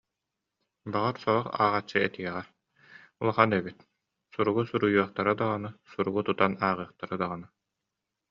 Баҕар сорох ааҕааччы этиэҕэ: «Улахан эбит, суругу суруйуохтара даҕаны, суругу тутан ааҕыахтара даҕаны